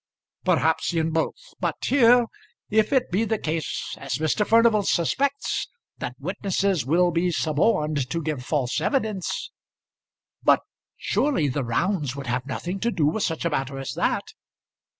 "Perhaps in both. But here, if it be the case as Mr. Furnival suspects, that witnesses will be suborned to give false evidence " "But surely the Rounds would have nothing to do with such a matter as that?"